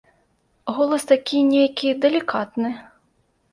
Голас такі нейкі далікатны.